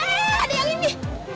ah ada yang ini